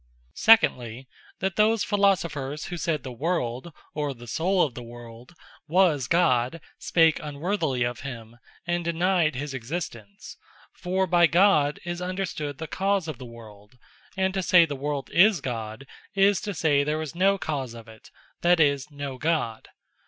Secondly, that those Philosophers, who sayd the World, or the Soule of the World was God, spake unworthily of him; and denyed his Existence: For by God, is understood the cause of the World; and to say the World is God, is to say there is no cause of it, that is, no God.